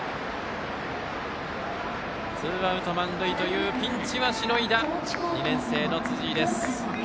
ツーアウト満塁というピンチはしのいだ２年生の辻井。